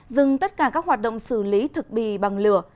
rừng tất cả các hoạt động xử lý thực bị bằng lửa